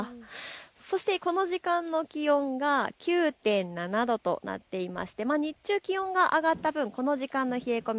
そしてこの時間の気温が９．７度となっていまして日中気温が上がった分、この時間の冷え込み